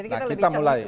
nah kita mulai